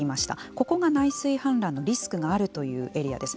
ここが内水氾濫のリスクがあるというエリアです。